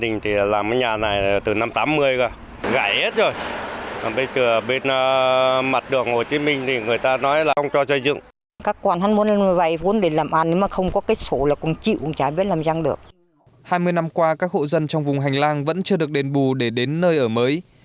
hai mươi năm qua các hộ dân trong vùng hành lang vẫn chưa được đền bù để đến nơi ở mới